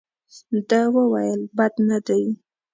ده وویل بد نه دي.